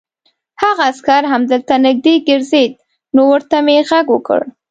هغه عسکر همدلته نږدې ګرځېد، نو ورته مې غږ وکړ.